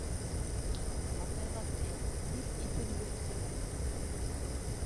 Ҡартайғас ни, һис иҫем юҡсы...